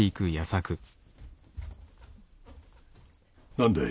何だい？